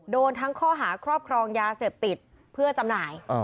โดนทั้งข้อหาครอบครองยาเสพติดเพื่อจำหน่าย